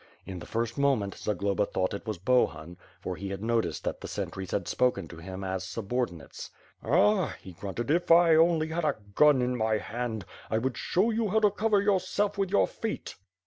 In the first moment, Zagloba thought it was Bohun; for he had noticed that the sentries had spoken to him as subordinates. "Ah," he grunted, "if I only had a gun in my hand, I would show you how to cover yourself with your feet."